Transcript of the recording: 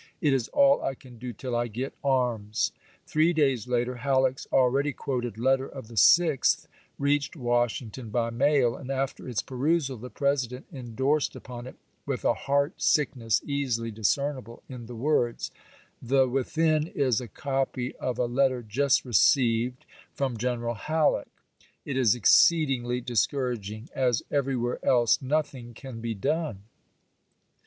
It *™w!^r!^*'' is all I can do till I get arms." Three days later, p." 535. " Halleck's already quoted letter of the 6th reached Washington by mail, and after its perusal the President endorsed upon it, with a heart sickness ^Ifrsement^ easily discernible in the words :" The within is a isel'.^w^R. copy of a letter just received from General Halleck. p.' 533. ' 104 ABRAHAM LINCOLN CHAP. VI. It is exceedingly discouraging. As everywhere else, nothing can be done."